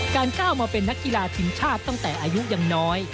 ก้าวมาเป็นนักกีฬาทีมชาติตั้งแต่อายุยังน้อย